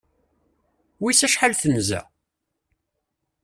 Wiss acḥal tenza?